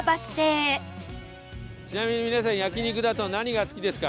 ちなみに皆さん焼肉だと何が好きですか？